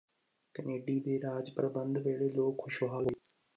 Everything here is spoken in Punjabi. ਕਨੇਡੀ ਦੇ ਰਾਜ ਪ੍ਰਬੰਧ ਵੇਲੇ ਲੋਕ ਖੁਸ਼ਹਾਲ ਹੋਏ